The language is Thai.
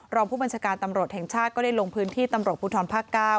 รองผู้บัญชาการตำรวจแห่งชาติก็ได้ลงพื้นที่ตำรวจภูทรภาค๙